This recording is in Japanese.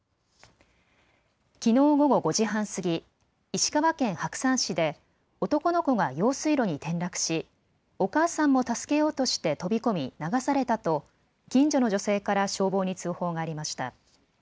きのう午後５時半過ぎ、石川県白山市で男の子が用水路に転落しお母さんも助けようとして飛び込み流されたと近所の女性から消防に通報がありました。